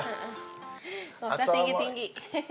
nggak usah tinggi tinggi